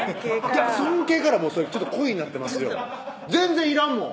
尊敬からもうそれ恋になってますよ全然いらんもん